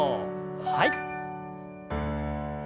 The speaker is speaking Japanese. はい。